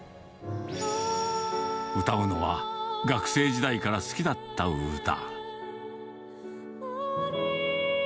歌うのは、学生時代から好きだった歌。